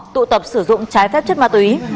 tụ tập sử dụng trái phép chất ma túy